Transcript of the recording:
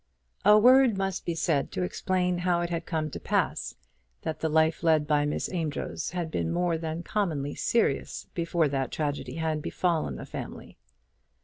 A word must be said to explain how it had come to pass that the life led by Miss Amedroz had been more than commonly serious before that tragedy had befallen the family.